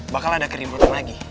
bakal ada keributan lagi